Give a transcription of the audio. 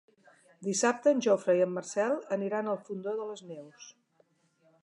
Dissabte en Jofre i en Marcel aniran al Fondó de les Neus.